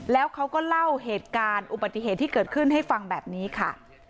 แล้วเขาก็เล่าเหตุการณ์อุบัติเหตุที่เกิดขึ้นให้ฟังแบบนี้ค่ะ